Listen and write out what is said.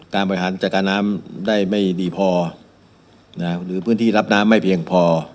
การไปฝ่ายนะคะน้ำได้ไม่ดีพอน่ะหรือพื้นที่หลับน้ำไม่เพียงพอ